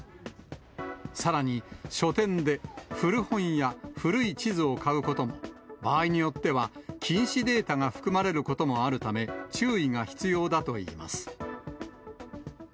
さらに書店で、古本や古い地図を買うことも、場合によっては禁止データが含まれることもあるため、注意が必要だといいます。